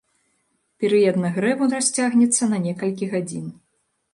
Перыяд нагрэву расцягнецца на некалькі гадзін.